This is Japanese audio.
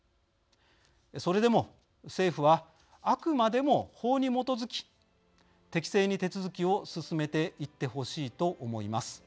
それでも政府はあくまでも法に基づき適正に手続きを進めていってほしいと思います。